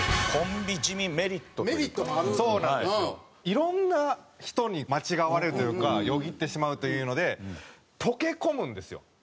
いろんな人に間違われるというかよぎってしまうというので溶け込むんですよ